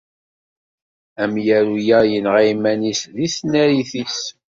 Amyaru-a yenɣa iman-is di tnarit-is.